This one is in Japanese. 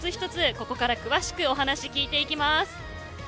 ここから詳しくお話聞いてきます。